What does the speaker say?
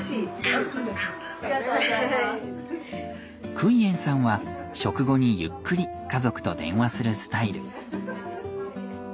クイエンさんは食後にゆっくり家族と電話するスタイル。